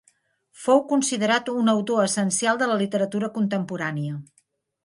Fou considerat un autor essencial de la literatura contemporània.